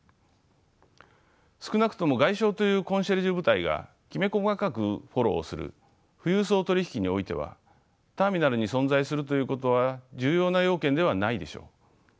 少なくとも外商というコンシェルジュ部隊がきめ細かくフォローする富裕層取り引きにおいてはターミナルに存在するということは重要な要件ではないでしょう。